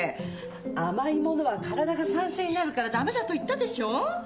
甘いものは体が酸性になるから駄目だと言ったでしょう。